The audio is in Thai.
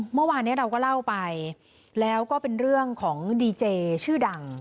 เมื่อวานนี้เราก็เล่าไปแล้วก็เป็นเรื่องของดีเจชื่อดัง